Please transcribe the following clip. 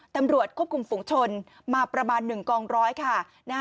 ตำรวจควบคุมฝุงชนมาประมาณ๑กองร้อยค่ะ